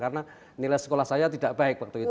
karena nilai sekolah saya tidak baik waktu itu